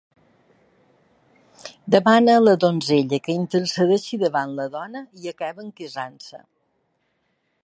Demana a la donzella que intercedeixi davant la dona i acaben casant-se.